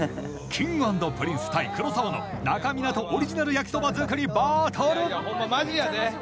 Ｋｉｎｇ＆Ｐｒｉｎｃｅ対黒沢の那珂湊オリジナル焼きそば作りバトルいやいやホンママジやで！